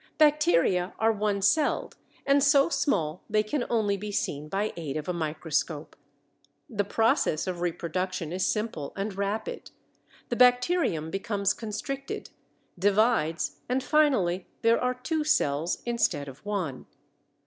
Bacteria are one celled and so small they can only be seen by aid of a microscope. The process of reproduction is simple and rapid. The bacterium becomes constricted, divides, and finally there are two cells instead of one.